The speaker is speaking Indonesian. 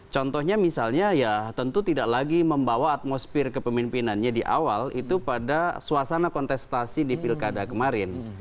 contohnya misalnya ya tentu tidak lagi membawa atmosfer kepemimpinannya di awal itu pada suasana kontestasi di pilkada kemarin